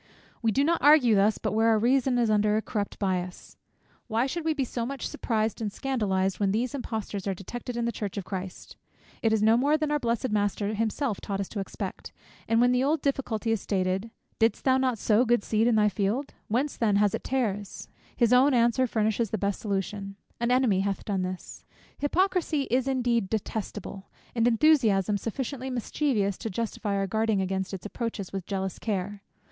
We do not argue thus but where our reason is under a corrupt bias. Why should we be so much surprised and scandalized, when these importers are detected in the church of Christ? It is no more than our blessed Master himself taught us to expect; and when the old difficulty is stated, "didst thou not sow good seed in thy field, whence then hath it tares?" his own answer furnishes the best solution, "an enemy hath done this." Hypocrisy is indeed detestable, and enthusiasm sufficiently mischievous to justify our guarding against its approaches with jealous care.